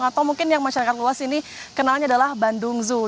atau mungkin yang masyarakat luas ini kenalnya adalah bandung zoo